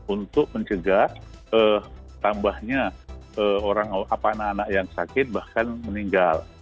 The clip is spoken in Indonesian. untuk mencegah tambahnya anak anak yang sakit bahkan meninggal